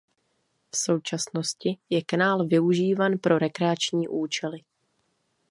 V současnosti je kanál využíván pro rekreační účely.